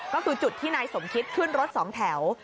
ก็คือจุดที่นายสมคิดขึ้นรถสองแถว